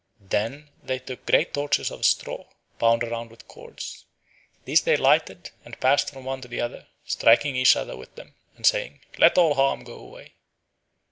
Then they took great torches of straw, bound round with cords. These they lighted, and passed from one to the other, striking each other with them, and saying, "Let all harm go away."